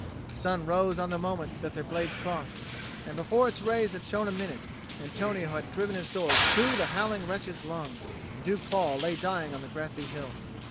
The sun rose on the moment that their blades crossed; and before its rays had shone a minute, Antonio had driven his sword through the howling wretch's lung, and Duke Paul lay dying on the grassy hill.